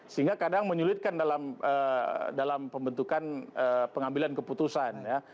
sehingga kadang menyulitkan dalam pembentukan pengambilan keputusan ya